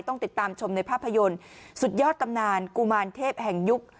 ต้องติดตามชมในภาพยนตร์สุดยอดตำนานกุมารเทพแห่งยุค